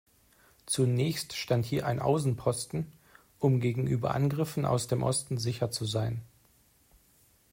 Zunächst stand hier ein Außenposten, um gegenüber Angriffen aus dem Osten sicher zu sein.